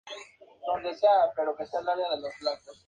Instituto Superior de Educación Sexual, A. C. Ags.